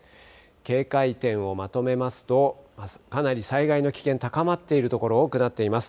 警戒点をまとめますと、かなり災害の危険、高まっている所、多くなっています。